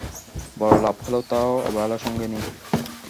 বড় লাভ হলে তাও অবহেলার সঙ্গে নিই।